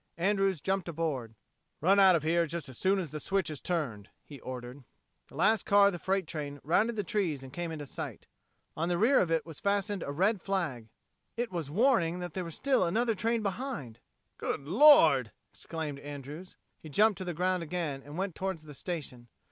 Andrews jumped aboard. "Run out of here just as soon as the switch is turned," he ordered. The last car of the freight train rounded the trees and came into sight. On the rear of it was fastened a red flag! It was a warning that there was still another train behind! "Good Lord!" exclaimed Andrews. He jumped to the ground again, and went toward the station.